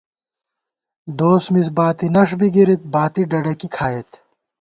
دوس مِز باتی نݭ بِی گِرِت، باتی ڈڈَکی کھائیت